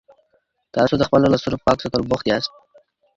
تاسو د خپلو لاسونو په پاک ساتلو بوخت یاست.